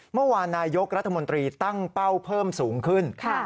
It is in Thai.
เมื่อวานนี้นายกรัฐมนตรีตั้งเป้าเพิ่มสูงขึ้น